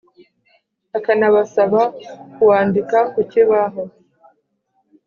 akanabasaba kuwandika ku kibaho.